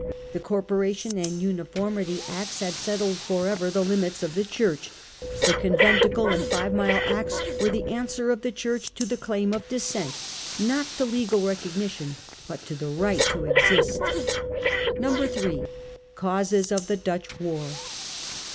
The Corporation and Uniformity Acts had settled for ever the limits of the Church. The Conventicle and Five Mile Acts were the answer of the Church to the claim of Dissent, not to legal recognition, but to the right to exist 1663* The First Dutch War 12 7 3. Causes of the Dutch War.